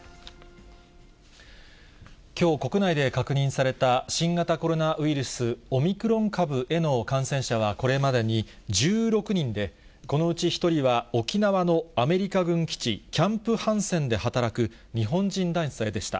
きょう、国内で確認された新型コロナウイルスオミクロン株への感染者は、これまでに１６人で、このうち１人は沖縄のアメリカ軍基地キャンプ・ハンセンで働く日本人男性でした。